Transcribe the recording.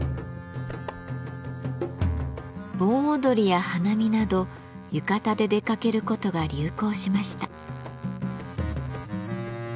盆踊りや花見など浴衣で出かけることが流行しました。